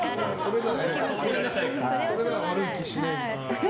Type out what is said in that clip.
それなら悪い気しないんだ。